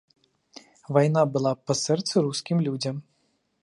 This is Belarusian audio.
Вайна была б па сэрцы рускім людзям.